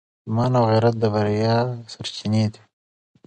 ایمان او غیرت د بریا سرچینې دي.